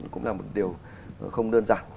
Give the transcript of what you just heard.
cũng là một điều không đơn giản